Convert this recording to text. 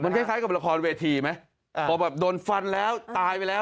มันคล้ายกับละครเวทีมั้ยเขาแบบโดนฟันแล้วตายไปแล้ว